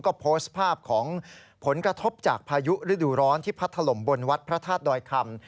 ก็โพสต์ภาพของผลกระทบจากพายุฤดูร้อนที่พัดถล่มบนวัดพระธาตุดอยคำ